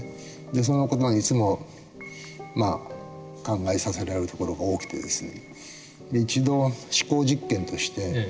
その事にいつも考えさせられるところが多くてですね。